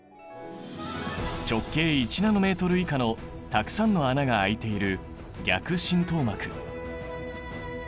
直径１ナノメートル以下のたくさんの穴が開いている逆浸透膜。